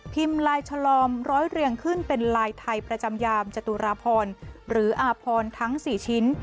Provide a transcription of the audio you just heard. ลายชะลอมร้อยเรียงขึ้นเป็นลายไทยประจำยามจตุราพรหรืออาพรทั้ง๔ชิ้น